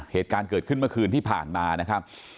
เหตุการณ์เกิดขึ้นเมื่อคืนที่ผ่านมานะครับ